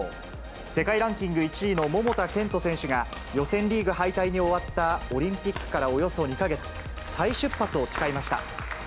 世界ランキング１位の桃田賢斗選手が、予選リーグ敗退に終わったオリンピックからおよそ２か月、再出発を誓いました。